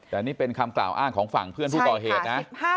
แต่นี่เป็นคำกล่าวอ้างของฝั่งเพื่อนผู้ก่อเหตุนะ